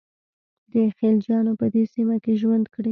د خلجیانو په دې سیمه کې ژوند کړی.